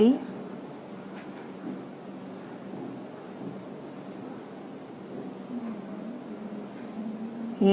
ibu putri chandrawati